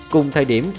cùng thời điểm